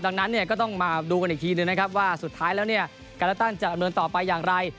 ดังนั้นเนี่ยก็ต้องมาดูกันอีกทีหนึ่งนะครับว่าสุดท้ายแล้วเนี่ยการเลือกตั้งจะดำเนินต่อไปอย่างไร